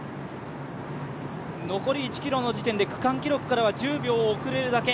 残り１ｋｍの時点で区間記録からは１０秒遅れるだけ。